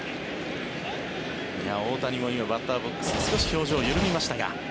大谷もバッターボックスで少し表情が緩みました。